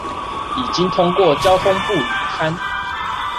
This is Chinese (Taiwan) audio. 已經通過交通部履勘